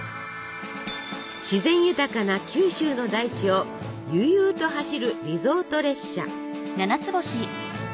自然豊かな九州の大地を悠々と走るリゾート列車。